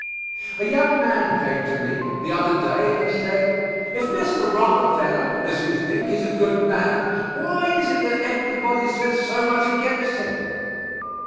A young man came to me the other day and said, "If Mr. Rockefeller, as you think, is a good man, why is it that everybody says so much against him?"